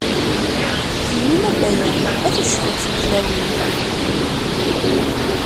Kemmini a Baya, a tucbiḥt n tlawin.